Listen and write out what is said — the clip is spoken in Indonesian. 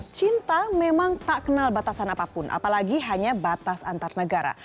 cinta memang tak kenal batasan apapun apalagi hanya batas antar negara